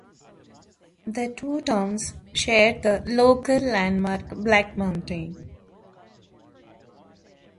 The two towns share the local landmark Black Mountain.